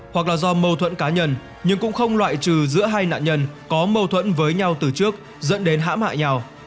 hoặc là do mâu thuẫn cá nhân nhưng cũng không loại trừ giữa hai nạn nhân có mâu thuẫn với nhau từ trước dẫn đến hãm hại nhau